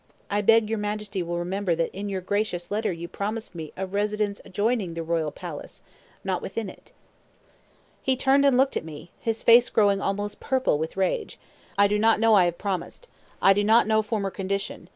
I beg your Majesty will remember that in your gracious letter you promised me 'a residence adjoining the royal palace,' not within it." He turned and looked at me, his face growing almost purple with rage. "I do not know I have promised. I do not know former condition.